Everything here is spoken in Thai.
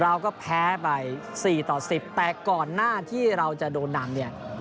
เราก็แพ้ไป๔ต่อ๑๐แต่ก่อนหน้าที่เราจะโดนนำเนี่ย